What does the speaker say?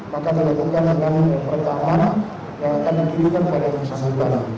maka terdapatkan yang namun yang pertama yang akan dikirimkan pada yang sama